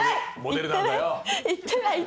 「行ってない！」